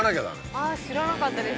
知らなかったです